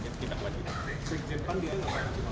terima kasih ya